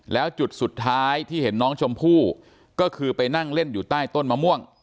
แล้วจุดสุดท้ายที่เห็นน้องชมพู่ก็คือไปนั่งเล่นอยู่ใต้ต้นมะม่วง